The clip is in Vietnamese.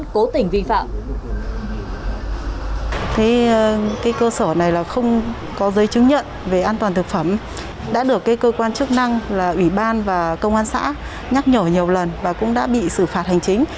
cơ sở này là không có giấy chứng nhận về an toàn thực phẩm đã được cơ quan chức năng là ủy ban và công an xã nhắc nhở nhiều lần và cũng đã bị xử phạt hành chính